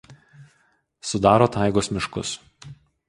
Sudaro taigos miškus.